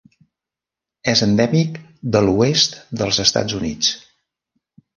És endèmic de l'oest dels Estats Units.